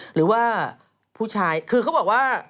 หรือว่าผู้ชายคือเขาบอกว่า